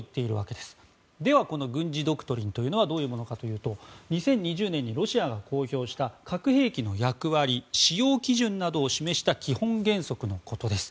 では、この軍事ドクトリンとはどういうものかというと２０２０年にロシアが公表した核兵器の役割使用基準などを示した基本原則のことです。